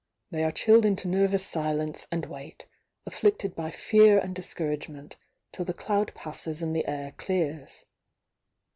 They are chilled into nervous silence and wait, afflicted by fear and discouragement, till the cloud passes and the air clears.